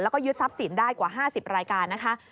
แล้วก็ยึดทรัพย์สินได้กว่า๕๐รายการนะคะ